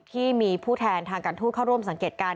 ที่มีผู้แทนทางการทูตเข้าร่วมสังเกตการณ